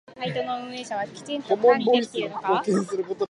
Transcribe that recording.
サイトの運営者はきちんと管理できているのか？